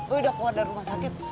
gue udah keluar dari rumah sakit